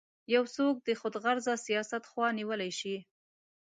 یو څوک د خودغرضه سیاست خوا نیولی شي.